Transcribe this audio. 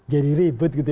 jadi ribet gitu